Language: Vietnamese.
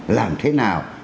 làm thế nào